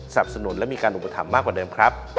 สนุนและมีการอุปถัมภ์มากกว่าเดิมครับ